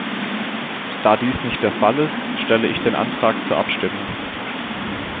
Da dies nicht der Fall ist, stelle ich den Antrag zur Abstimmung.